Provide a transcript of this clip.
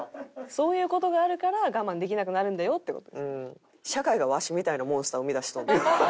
そういう事があるから我慢できなくなるんだよって事ですよね。